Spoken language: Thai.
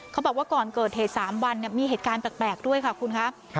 เขาบอกว่าก่อนเกิดเหตุ๓วันมีเหตุการณ์แปลกด้วยค่ะคุณครับ